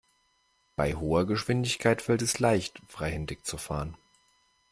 Bei hoher Geschwindigkeit fällt es leicht, freihändig zu fahren.